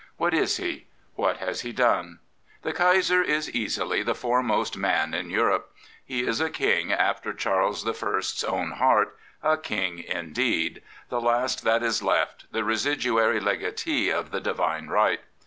What is he? What has he done? The Kaiser is easily the foremost man in Europe. He is a King after Charles the First's own heart, " a King indeed," the last that is left, the residuary legatee of " the divine right."